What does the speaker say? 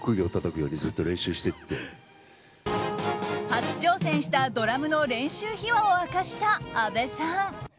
初挑戦したドラムの練習秘話を明かした阿部さん。